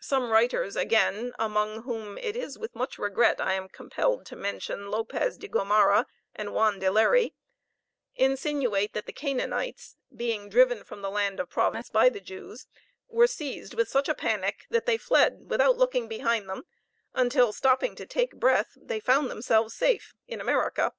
Some writers again, among whom it is with much regret I am compelled to mention Lopez de Gomara and Juan de Leri, insinuate that the Canaanites, being driven from the land of promise by the Jews, were seized with such a panic that they fled without looking behind them, until stopping to take breath, they found themselves safe in America.